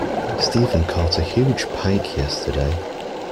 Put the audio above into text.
Stephen caught a huge pike yesterday